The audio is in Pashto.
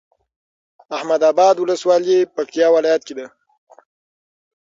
احمداباد ولسوالي پکتيا ولايت کي ده